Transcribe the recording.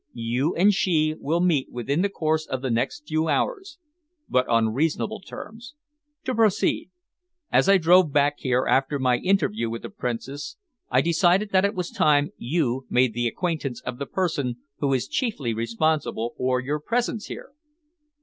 You and she will meet within the course of the next few hours, but on reasonable terms. To proceed! As I drove back here after my interview with the Princess, I decided that it was time you made the acquaintance of the person who is chiefly responsible for your presence here."